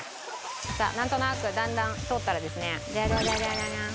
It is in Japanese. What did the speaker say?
さあなんとなくだんだん通ったらですねジャジャジャジャジャジャン。